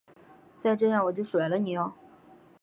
再这样我就甩了你唷！